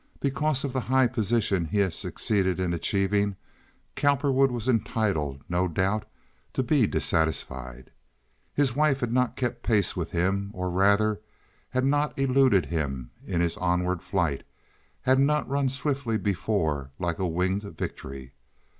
Because of the high position he had succeeded in achieving Cowperwood was entitled, no doubt, to be dissatisfied. His wife had not kept pace with him, or, rather, had not eluded him in his onward flight—had not run swiftly before, like a winged victory.